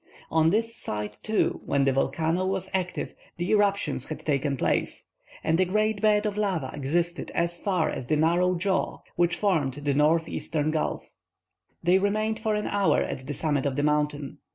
On this side, too, when the volcano was active, the eruptions had taken place, and a great bed of lava extended as far as the narrow jaw which formed the northeastern gulf. They remained for an hour at the summit of the mountain.